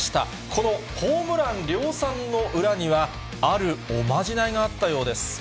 このホームラン量産の裏には、あるおまじないがあったようです。